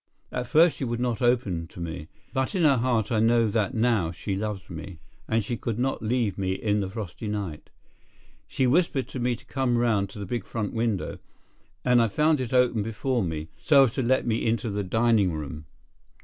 At first she would not open to me, but in her heart I know that now she loves me, and she could not leave me in the frosty night. She whispered to me to come round to the big front window, and I found it open before me, so as to let me into the dining room.